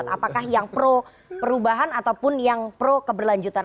apakah yang pro perubahan ataupun yang pro keberlanjutan